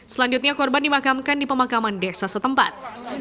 selanjutnya korban dimakamkan di pemakaman desa setempat